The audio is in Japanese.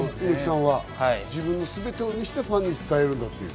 自分のすべてを見せてファンに伝えるんだという。